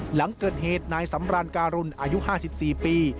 หลังเกิดเหตุนายสำรานการุณอายุ๕๔ปี